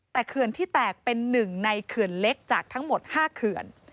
แต่เขื่อนที่แตกเป็นหนึ่งในเขื่อนเล็กจากทั้งหมด๕เขื่อน